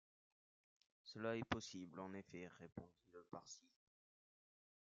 Cela est possible, en effet, » répondit le Parsi.